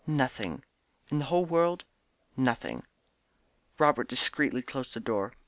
"Nothing." "In the whole world?" "Nothing." Robert discreetly closed the door.